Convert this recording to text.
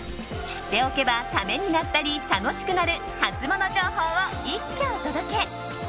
知っておけばためになったり楽しくなるハツモノ情報を一挙お届け。